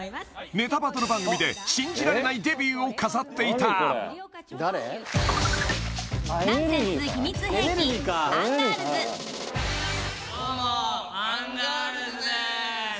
ネタバトル番組で信じられないデビューを飾っていたナンセンス秘密兵器アンガールズどうもアンガールズです